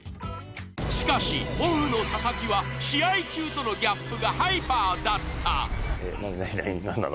しかし、オフの佐々木は試合中とのギャップがハイパーだった。